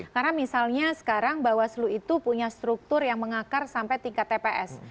karena misalnya sekarang bawaslu itu punya struktur yang mengakar sampai tingkat tps